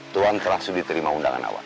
tuan telah sudi terima undangan awak